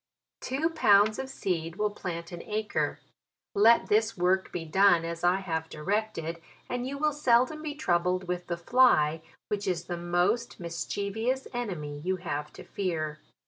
Two pounds of seed will plant an acre. Let this work be done as I have directed, and you will seldom be troubled with the fly, which is the most mischievous enemy you have to fear.